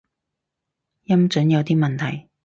音準有啲問題